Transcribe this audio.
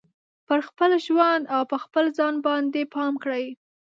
په خپل ژوند او په خپل ځان باندې دې پام کړي